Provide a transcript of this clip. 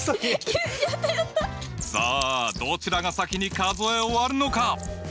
さあどちらが先に数え終わるのか？